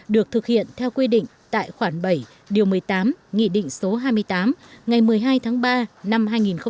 được thực hiện theo quy định tại khoản bảy điều một mươi tám nghị định số hai mươi tám ngày một mươi hai tháng ba năm hai nghìn một mươi